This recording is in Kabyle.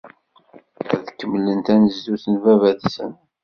Ad kemmlen tanezzut n baba-tsen.